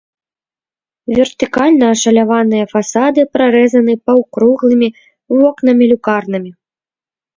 Вертыкальна ашаляваныя фасады прарэзаны паўкруглымі вокнамі-люкарнамі.